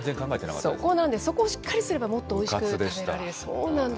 そこをしっかりすればもっとおいしく食べられるそうなんです。